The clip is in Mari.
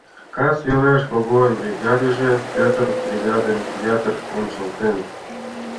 Кас велеш Когойын бригадыже Пӧтыр бригадым ятыр ончылтен.